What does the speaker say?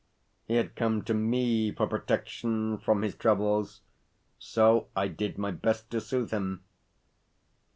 He had come to me for protection from his troubles, so I did my best to soothe him.